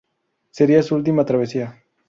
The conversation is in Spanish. Sería su última travesía.